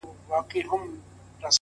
ما ددې غرونو په لمنو کي شپېلۍ ږغول!!